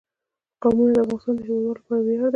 قومونه د افغانستان د هیوادوالو لپاره ویاړ دی.